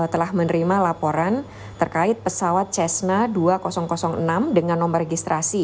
telah menerima laporan terkait pesawat csi